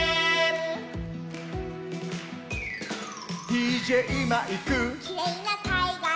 「ＤＪマイク」「きれいなかいがら」